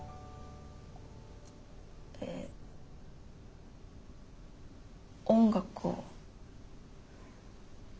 え音楽を。